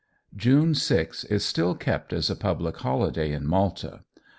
June 6 is still kept as a public holiday in Malta.